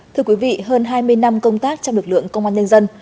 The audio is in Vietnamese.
thưa quý vị hơn hai mươi năm công tác trong lực lượng công an nhân dân